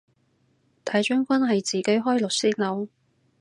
大將軍係自己開律師樓